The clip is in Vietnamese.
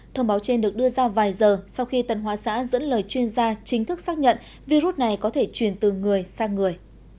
thông báo trên được đưa ra vài giờ sau khi tân hóa xã dẫn lời chuyên gia chính thức xác nhận virus này có thể truyền từ người sang người